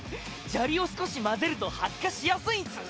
砂利を少し混ぜると発火しやすいんす。